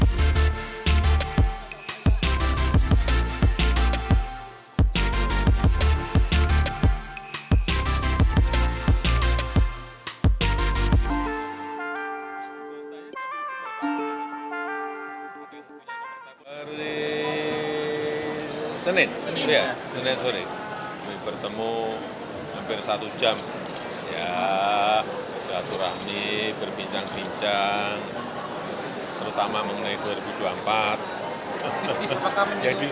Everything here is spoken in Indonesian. hari senin bertemu hampir satu jam beraturahmi berbincang bincang terutama mengenai dua ribu dua puluh empat